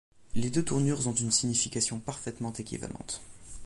Les deux tournures ont une signification parfaitement équivalente.